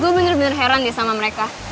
gue bener bener heran ya sama mereka